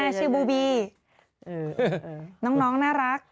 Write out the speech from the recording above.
เรื่องน้องน่ารัก